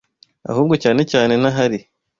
ahubwo cyane cyane ntahari